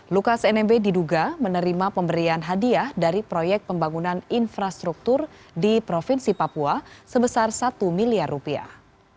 lukas nmb diduga menerima pemberian hadiah dari proyek pembangunan infrastruktur di provinsi papua sebesar satu miliar rupiah